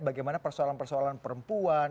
bagaimana persoalan persoalan perempuan